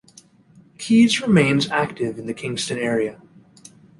Keyes remains active in the Kingston area.